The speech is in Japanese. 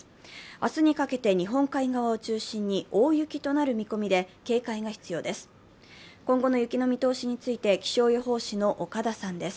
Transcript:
明日にかけて日本海側を中心に大雪となる見込みで警戒が必要です。